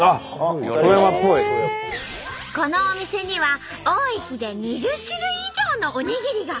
このお店には多い日で２０種類以上のおにぎりが！